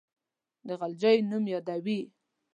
د غلجیو نوم یادوي.